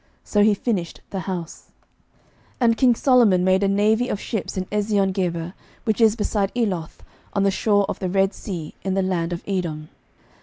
So he finished the house. 11:009:026 And king Solomon made a navy of ships in Eziongeber, which is beside Eloth, on the shore of the Red sea, in the land of Edom.